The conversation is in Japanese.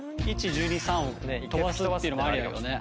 １１２３を飛ばすっていうのもありだけどね。